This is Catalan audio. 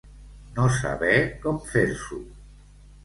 No saber com fer-s'ho.